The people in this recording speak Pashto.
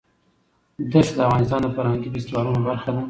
دښتې د افغانستان د فرهنګي فستیوالونو برخه ده.